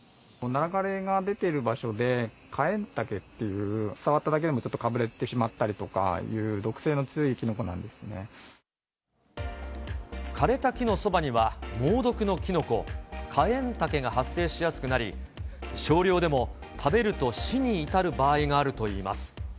ナラ枯れが出ている場所で、カエンタケっていう、触っただけでもちょっとかぶれてしまったりとか、枯れた木のそばには、猛毒のキノコ、カエンタケが発生しやすくなり、少量でも、食べると死に至る場合があるといいます。